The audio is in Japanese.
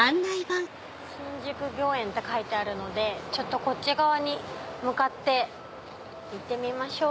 新宿御苑って書いてあるのでこっち側に向かって行ってみましょう。